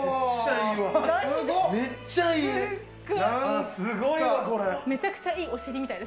めっちゃいいわ。